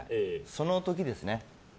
その時ですね。